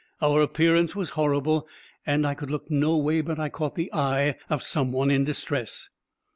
Our appearance was horrible, and I could look no way but I caught the eye of some one in distress.